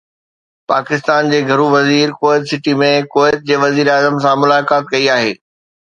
پاڪستان جي گهرو وزير ڪويت سٽي ۾ ڪويت جي وزيراعظم سان ملاقات ڪئي آهي